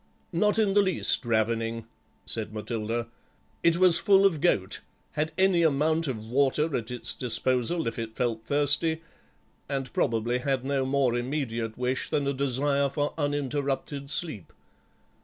"Not in the least ravening," said Matilda; "it was full of goat, had any amount of water at its disposal if it felt thirsty, and probably had no more immediate wish than a desire for uninterrupted sleep.